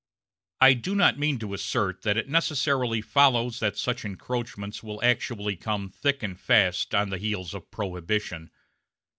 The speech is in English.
I do not mean to assert that it necessarily follows that such encroachments will actually come thick and fast on the heels of Prohibition.